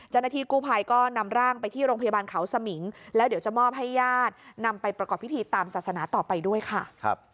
เจ้าหน้าที่กู้ภัยก็นำร่างไปที่โรงพยาบาลเขาสมิงแล้วเดี๋ยวจะมอบให้ญาตินำไปประกอบพิธีตามศาสนาต่อไปด้วยค่ะ